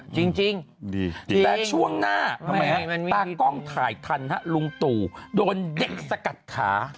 จริงช่วงหน้าปากกล้องถ่ายทันดูโดนเด็กสกัดขา